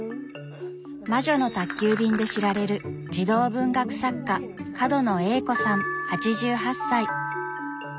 「魔女の宅急便」で知られる児童文学作家角野栄子さん８８歳。